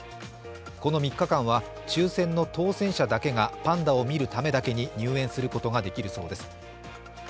この３日間は抽選の当選者だけがパンダを見るためだけに入園することができるそうです。